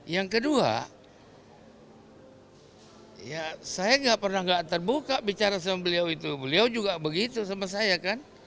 yang kedua ya saya nggak pernah nggak terbuka bicara sama beliau itu beliau juga begitu sama saya kan